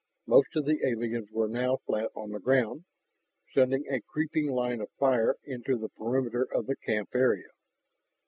Most of the aliens were now flat on the ground, sending a creeping line of fire into the perimeter of the camp area.